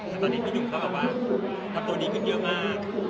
ตอนนี้พี่หนุ่มเขากับว่าตัวนี้ขึ้นเยอะมาก